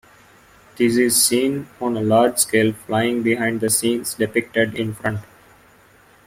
This is seen on a large scale flying behind the scenes depicted in front.